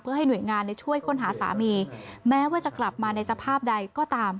เพื่อให้หน่วยงานช่วยค้นหาสามีแม้ว่าจะกลับมาในสภาพใดก็ตาม